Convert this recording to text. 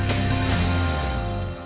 berjuang untuk apa